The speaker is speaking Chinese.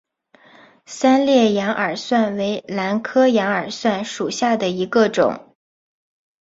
三裂羊耳蒜为兰科羊耳蒜属下的一个种。